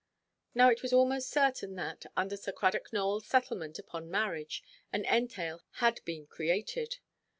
Now it was almost certain that, under Sir Cradock Nowellʼs settlement upon marriage, an entail had been created.